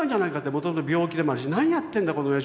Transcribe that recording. もともと病気でもあるし何やってんだこのおやじはと思って。